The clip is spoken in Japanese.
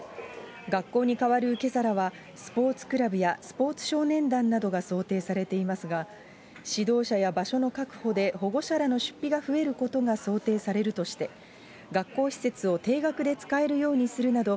学校に代わる受け皿は、スポーツクラブやスポーツ少年団などが想定されていますが、指導者や場所の確保で、保護者らの出費が増えることが想定されるとして、学校施設を低額で使えるようにするなど、